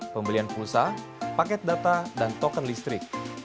pembelian pulsa paket data dan token listrik